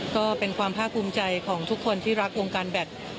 ก็เป็นความภาคภูมิใจของทุกคนที่รักวงการแบต